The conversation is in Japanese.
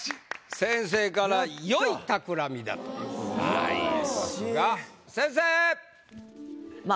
先生から「良いたくらみ」だということでございますが先生！